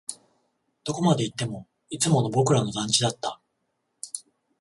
どこまで行っても、いつもの僕らの団地だった